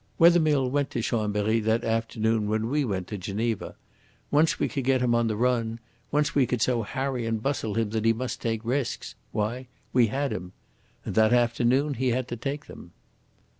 Wethermill went to Chambery that afternoon when we went to Geneva. Once we could get him on the run, once we could so harry and bustle him that he must take risks why, we had him. And that afternoon he had to take them."